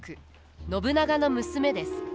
信長の娘です。